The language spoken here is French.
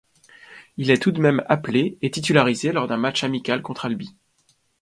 Il est tout de même appelé, et titularisé, lors d'un match amical contre Albi.